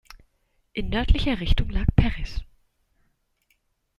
In nördlicher Richtung lag Perris.